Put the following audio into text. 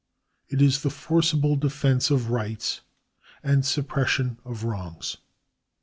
It is the forcible defence of rights and suppression of wrongs.